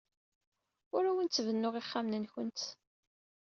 Ur awent-bennuɣ ixxamen-nwent.